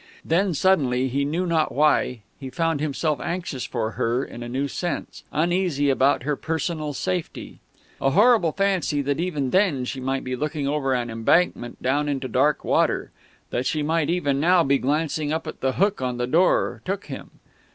Then suddenly, he knew not why, he found himself anxious for her in a new sense uneasy about her personal safety. A horrible fancy that even then she might be looking over an embankment down into dark water, that she might even now be glancing up at the hook on the door, took him.